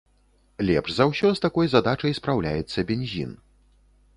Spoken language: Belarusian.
Лепш за ўсё з такой задачай спраўляецца бензін.